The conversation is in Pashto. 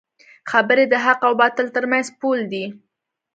خبرې د حق او باطل ترمنځ پول دی